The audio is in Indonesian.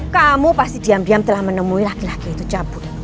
kamu pasti diam diam telah menemui laki laki itu cabut